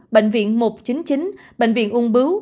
bệnh viện một trăm chín mươi chín bệnh viện ung bướu